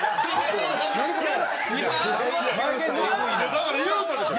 だから言うたでしょ。